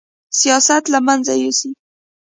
سیاست له منځه یوسي